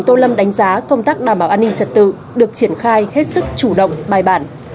tô lâm đánh giá công tác đảm bảo an ninh trật tự được triển khai hết sức chủ động bài bản